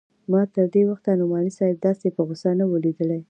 ما تر دې وخته نعماني صاحب داسې په غوسه نه و ليدلى.